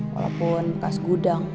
walaupun bekas gudang